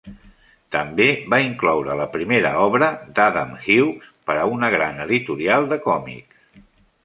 També va incloure la primera obra d'Adam Hugues per a una gran editorial de còmics.